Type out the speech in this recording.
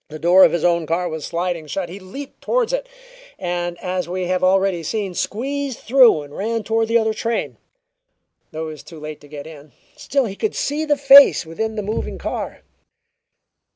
The door of his own car was sliding shut; he leaped toward it, and, as we have already seen, squeezed through and ran toward the other train. Though he was too late to get in, still he could see the face within the moving car.